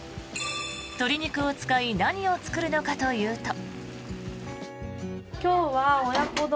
鶏肉を使い何を作るのかというと。